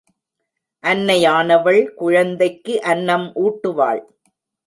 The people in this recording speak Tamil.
அன்னையானவள் குழந்தைக்கு அன்னம் ஊட்டுவாள்.